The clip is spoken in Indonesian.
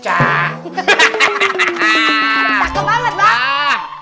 cakep banget pak